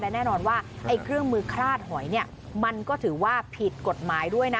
และแน่นอนว่าไอ้เครื่องมือคลาดหอยเนี่ยมันก็ถือว่าผิดกฎหมายด้วยนะ